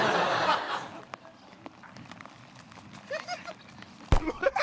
ハハハ！